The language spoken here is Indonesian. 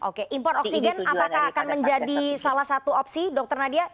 oke impor oksigen apakah akan menjadi salah satu opsi dokter nadia